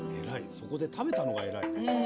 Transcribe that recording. そこで食べたのが偉いね。